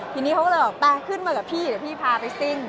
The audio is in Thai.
ทีนี้เขาก็เลยบอกไปขึ้นมากับพี่เดี๋ยวพี่พาไปสิ้น